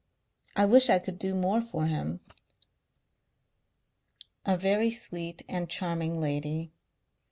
I wish I could do more for him." A very sweet and charming lady.